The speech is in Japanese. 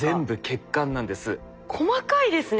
細かいですね。